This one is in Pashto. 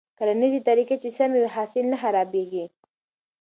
کرنيزې طريقې چې سمې وي، حاصل نه خرابېږي.